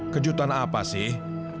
kejutan apa sih